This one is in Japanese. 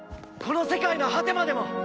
この世界の果てまでも！